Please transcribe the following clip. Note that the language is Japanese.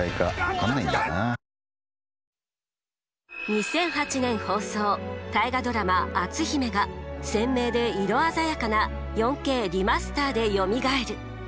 ２００８年放送大河ドラマ「篤姫」が鮮明で色鮮やかな４Ｋリマスターでよみがえる！